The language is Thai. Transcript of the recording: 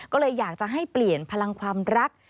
ก็เลยอยากจะให้เปลี่ยนพลังความรัก